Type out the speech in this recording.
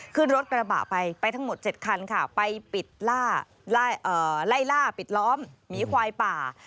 ขึ้นรถกระบะไปไปทั้งหมด๗คันค่ะไปไล่ล่าปิดล้อมหมีควายป่า